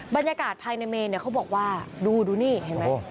บรรยากาศภายในเมนเนี่ยเขาบอกว่าดูนี่เห็นไหม